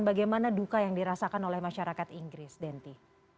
bagaimana duka yang dirasakan oleh masyarakat inggris denti